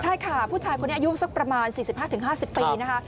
ใช่ค่ะผู้ชายคนนี้อายุสักประมาณ๔๕๕๐ปีนะคะ